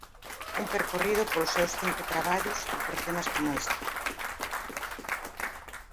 Un percorrido polos seus cinco traballos e por temas coma este.